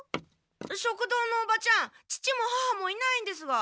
食堂のおばちゃん父も母もいないんですが。